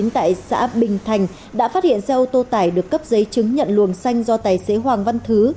tại xã bình thành đã phát hiện xe ô tô tải được cấp giấy chứng nhận luồng xanh do tài xế hoàng văn thứ